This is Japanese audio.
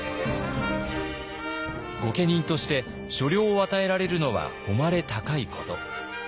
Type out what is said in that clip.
御家人として所領を与えられるのは誉れ高いこと。